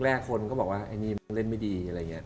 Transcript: แรกคนก็บอกว่าไอ้นี่มันเล่นไม่ดีอะไรอย่างนี้